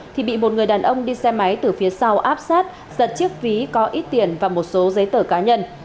thì bị một người đàn ông đi xe máy từ phía sau áp sát giật chiếc ví có ít tiền và một số giấy tờ cá nhân